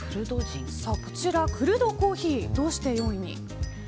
こちら、クルドコーヒーどうして４位に？